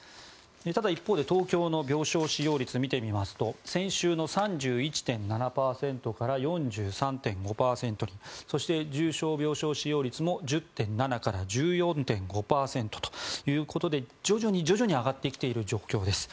ただ、一方で東京の病床使用率を見てみますと先週の３１．７％から４３．５％にそして重症病床使用率も１０．７％から１４．５％ということで徐々に上がってきている状況です。